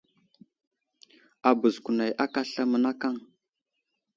Abəz kunay aka aslam mənakaŋ.